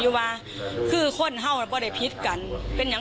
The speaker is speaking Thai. ช่วยเร่งจับตัวคนร้ายให้ได้โดยเร่ง